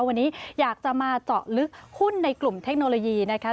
วันนี้อยากจะมาเจาะลึกหุ้นในกลุ่มเทคโนโลยีนะคะ